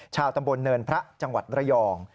ชาวตำบลเนินพระจังหวัดระยอง